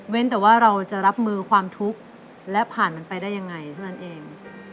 แต่ว่าเราจะรับมือความทุกข์และผ่านมันไปได้ยังไงเท่านั้นเอง